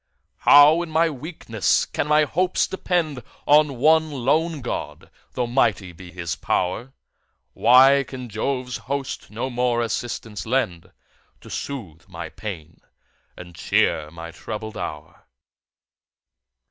How in my weakness can my hopes depend On one lone God, though mighty be his pow'r? Why can Jove's host no more assistance lend, To soothe my pains, and cheer my troubled hour?